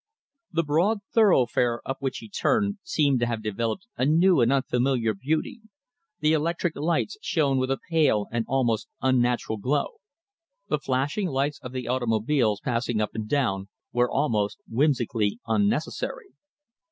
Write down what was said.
The broad thoroughfare up which he turned seemed to have developed a new and unfamiliar beauty. The electric lamps shone with a pale and almost unnatural glow. The flashing lights of the automobiles passing up and down were almost whimsically unnecessary.